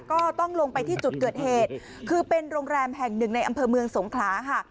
ก็ต้องลงไปที่จุดเกิดเหตุคือเป็นโรงแรมแห่งหนึ่งในอำเภอเมืองสงขลาค่ะ